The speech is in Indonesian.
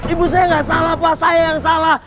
ibu saya nggak salah pak saya yang salah